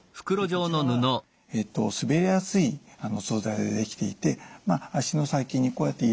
こちらは滑りやすい素材で出来ていて足の先にこうやって入れていただきます。